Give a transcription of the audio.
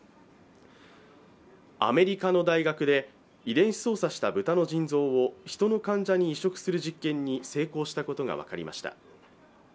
アメリカの大学で遺伝子操作した豚の腎臓を人の患者に移植する実験に成功したことが分かりました。